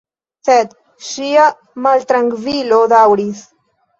Sed ŝia maltrankvilo daŭris.